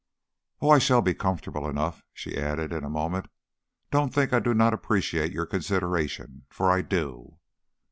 "Oh, I shall be comfortable enough." She added in a moment, "Don't think I do not appreciate your consideration, for I do."